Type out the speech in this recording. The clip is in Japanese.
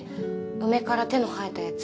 梅から手の生えたやつ。